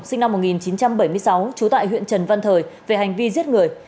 sinh năm một nghìn chín trăm bảy mươi sáu trú tại huyện trần văn thời về hành vi giết người